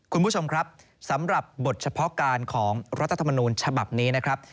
คุณผู้ชมครับสำหรับบทเฉพาะการของรัฐธรรมนูญฉบับนี้นะครับ